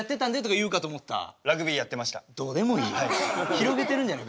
広げてるんじゃない。